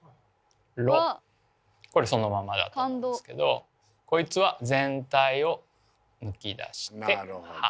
「ロ」これそのままだと思うんですけどこいつは全体を抜き出して「ハ」。